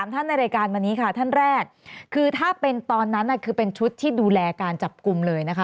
ท่านในรายการวันนี้ค่ะท่านแรกคือถ้าเป็นตอนนั้นคือเป็นชุดที่ดูแลการจับกลุ่มเลยนะคะ